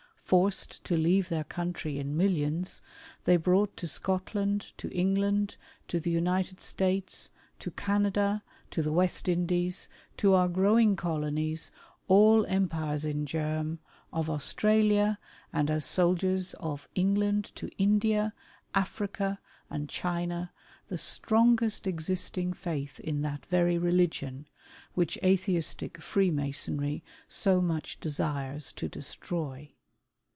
Forced to leave their country in millions, they brought to Scotland, to England, to the United States, to Canada, to the West Indies, to our growing Colonies — all empires in germ — of Australia, and as soldiers of England, to India, Africa and China, the strongest existing faith in that very religion, which Atheistic Freemasonry so much desires to destroy.